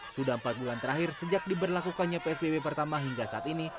sudah empat bulan terakhir sejak diberlakukannya psbb pertama hingga saat ini